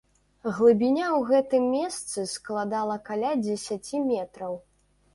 Глыбіня ў гэтым месцы складала каля дзесяці метраў.